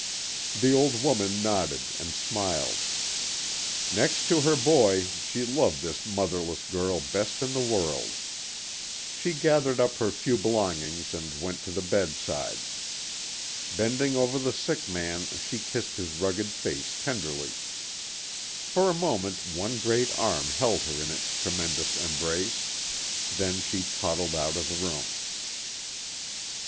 The old woman nodded and smiled. Next to her boy she loved this motherless girl best in the world. She gathered up her few belongings and went to the bedside. Bending over the sick man she kissed his rugged face tenderly. For a moment one great arm held her in its tremendous embrace, then she toddled out of the room.